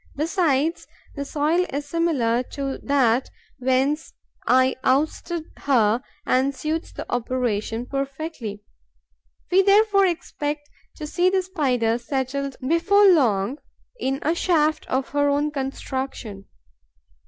Besides, the soil is similar to that whence I ousted her and suits the operation perfectly. We therefore expect to see the Spider settled before long in a shaft of her own construction.